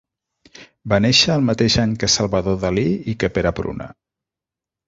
Va néixer el mateix any que Salvador Dalí i que Pere Pruna.